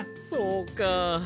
そうか。